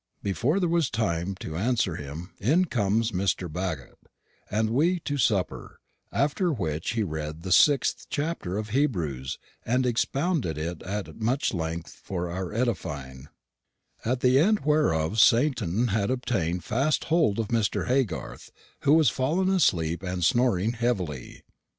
"Before there was time to answer him in comes Mr. Bagot, and we to supper; after which he did read the sixth chapter of Hebrews and expound it at much length for our edifying; at the end whereof Satan had obtained fast hold of Mr. Haygarthe, who was fallen asleep and snoring heavily."